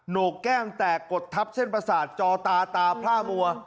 โหนกแก้มแตกกดทับเส้นประสาทจอตาตาพล่ามัว